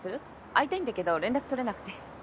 会いたいんだけど連絡とれなくて。